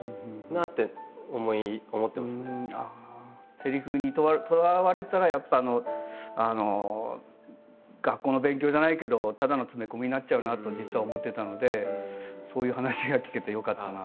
セリフにとらわれたらやっぱ学校の勉強じゃないけどただの詰め込みになっちゃうなと実は思ってたのでそういう話が聞けてよかったな。